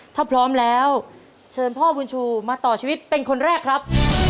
ถ้าพร้อมแล้วเชิญพ่อบุญชูมาต่อชีวิตเป็นคนแรกครับ